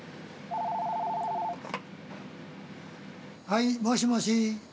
☎はいもしもし？